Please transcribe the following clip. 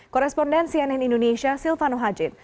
korespondensi ann indonesia silvano hajid